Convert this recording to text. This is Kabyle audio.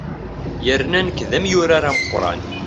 Yerna nekk d amyurar ameqqran.